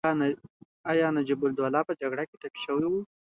ایا نجیب الدوله په جګړه کې ټپي شوی و؟